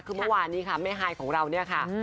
คือเมื่อวานนี้ค่ะแม่ฮายของเราเนี่ยค่ะ